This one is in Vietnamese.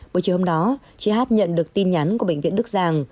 buổi chiều hôm đó chị hát nhận được tin nhắn của bệnh viện đức giang